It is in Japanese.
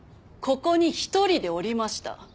ここに１人でおりました。